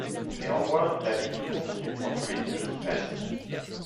Néanmoins, la lutte continue entre les deux dynasties.